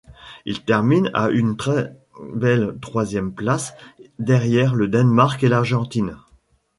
Il termine à une très belle troisième place derrière le Danemark et l'Argentine.